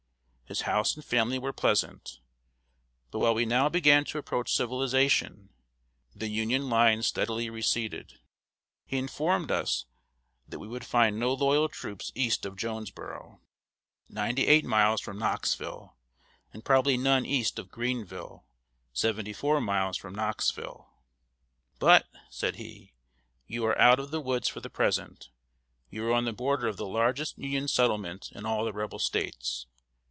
His house and family were pleasant. But while we now began to approach civilization, the Union lines steadily receded. He informed us that we would find no loyal troops east of Jonesboro, ninety eight miles from Knoxville, and probably none east of Greenville, seventy four miles from Knoxville. "But," said he, "you are out of the woods for the present. You are on the border of the largest Union settlement in all the Rebel States.